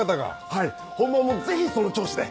はい本番もぜひその調子で。